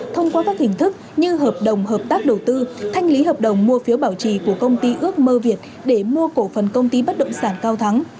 thông qua các hình thức như hợp đồng hợp tác đầu tư thanh lý hợp đồng mua phiếu bảo trì của công ty ước mơ việt để mua cổ phần công ty bất động sản cao thắng